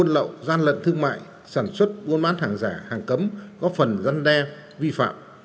lộ gian lận thương mại sản xuất buôn bán hàng giả hàng cấm góp phần gắn đe vi phạm